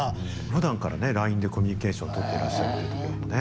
ふだんからねＬＩＮＥでコミュニケーションとってらっしゃるっていうところもね。